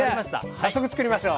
早速つくりましょう。